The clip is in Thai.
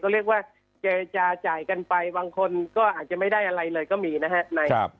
เรียกว่าเจรจาจ่ายกันไปบางคนก็อาจจะไม่ได้อะไรเลยก็มีนะฮะ